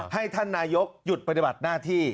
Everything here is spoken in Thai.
ให้ท่านนายกหยุดปฏิบัติหน้าที่